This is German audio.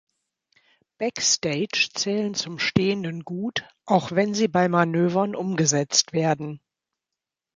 Backstage zählen zum stehenden Gut, auch wenn sie bei Manövern umgesetzt werden.